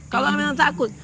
kalau memang takut